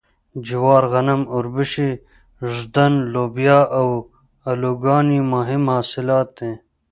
جوار غنم اوربشې ږدن لوبیا او الوګان یې مهم حاصلات دي.